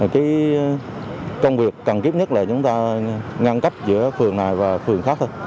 cái công việc cần thiết nhất là chúng ta ngăn cách giữa phường này và phường khác thôi